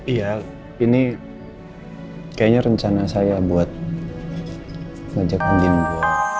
iya ini kayaknya rencana saya buat wajah kandimu